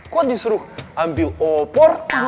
kok disuruh ambil opor